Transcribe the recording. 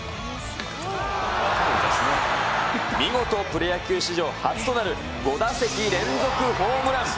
見事、プロ野球史上初となる５打席連続ホームラン。